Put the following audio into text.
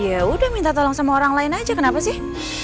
ya udah minta tolong sama orang lain aja kenapa sih